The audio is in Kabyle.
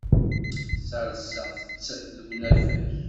Sserseɣ-tt deg unafag.